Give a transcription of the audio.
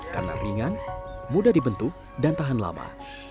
karena ringan mudah dibentuk dan tahan lama